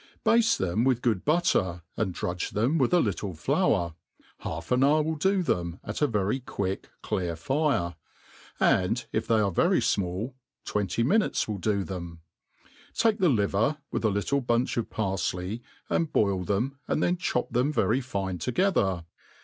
BASTE them with good butter^ and drudge them with f little iloiir. Ha^f ?in hour will do them^ ^t a very quick, cJcaJT iire; and, if tlrey ^re very final), t^venty minute^ will dp theip,* Take the fiver, nyith a little bunch of parjley, an|d boil themj and then chop them yeyy fine together.